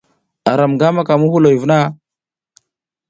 Aram nga maka muhuloy vuna?